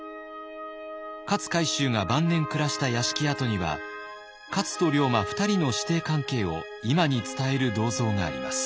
勝海舟が晩年暮らした屋敷跡には勝と龍馬２人の師弟関係を今に伝える銅像があります。